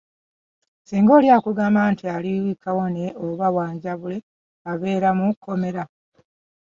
Singa oli akugamba nti ali kawone oba wanjabule, abeera mu kkomera.